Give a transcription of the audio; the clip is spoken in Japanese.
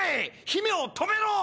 姫を止めろ！